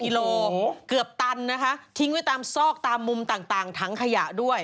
กิโลเกือบตันนะคะทิ้งไว้ตามซอกตามมุมต่างถังขยะด้วย